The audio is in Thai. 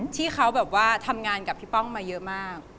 ที่เขาแบบว่าทำงานกับพี่ป้องมาเยอะมาก